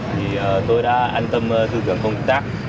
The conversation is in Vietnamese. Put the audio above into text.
thì tôi đã an tâm thư cường công tác